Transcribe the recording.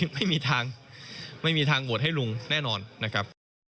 ไม่มีทางไม่มีทางโหวตให้ลุงแน่นอนนะครับ